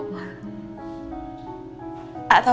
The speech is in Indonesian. pura pura gak paham atau